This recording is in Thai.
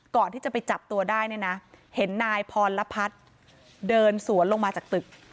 ก่อนที่จะไปจับตัวได้เนี่ยนะเห็นนายพรพัฒน์เดินสวนลงมาจากตึก